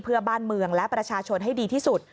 เพื่อบ้านเมืองและประชาชนให้ดีที่สุด